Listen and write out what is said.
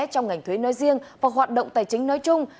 trong ngành thuế nói riêng và hoạt động tài chính nói chung